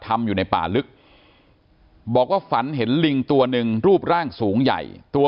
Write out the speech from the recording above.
ทำอยู่ในป่าลึกบอกว่าฝันเห็นลิงตัวหนึ่งรูปร่างสูงใหญ่ตัว